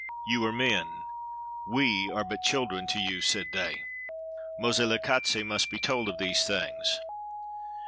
"You are men; we are but children to you," said they. "Moselekatse must be told of these things."